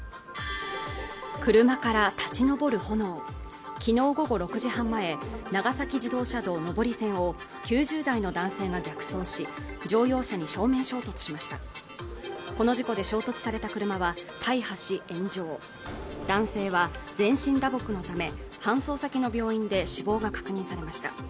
車から立ち上る炎昨日午後６時半前長崎自動車道上り線を９０代の男性が逆走し乗用車に正面衝突しましたこの事故で衝突された車は大破し炎上男性は全身打撲のため搬送先の病院で死亡が確認されました